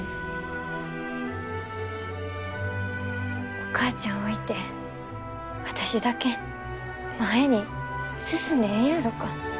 お母ちゃん置いて私だけ前に進んでええんやろか。